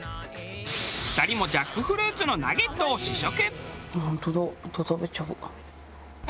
２人もジャックフルーツのナゲットを試食。